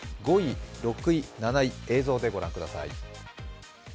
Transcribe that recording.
５位、６位、７位は映像で御覧ください